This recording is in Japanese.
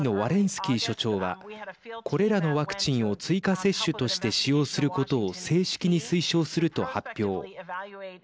スキー所長はこれらのワクチンを追加接種として使用することを正式に推奨すると発表。